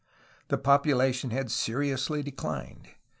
The population had seriously declined.